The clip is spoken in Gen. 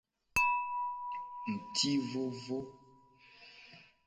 Ngti vovo.